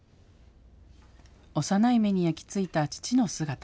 幼い目に焼き付いた父の姿。